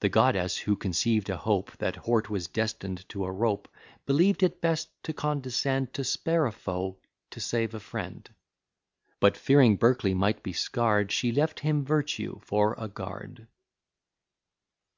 The goddess, who conceived a hope That Hort was destined to a rope, Believed it best to condescend To spare a foe, to save a friend; But, fearing Berkeley might be scared, She left him virtue for a guard.